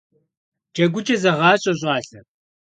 ДжэгукӀэ зэгъащӀэ, щӀалэ!